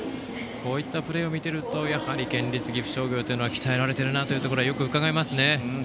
こういったプレーを見るとやはり県立岐阜商業は鍛えられているなというのがよくうかがえますね。